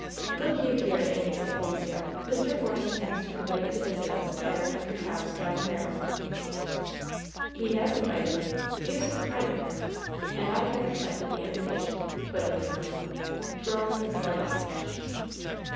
"Look you here, Angus Anglesea! Mr. Force intends to invite you to visit us at our country house, down in Maryland." "He has invited me. Deuced kind of him! And I have accepted the invitation," put in the colonel, twirling his light mustache.